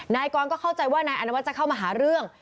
นายกรก็เข้าใจว่านายอนวัฒนจะเข้ามาหาเรื่อง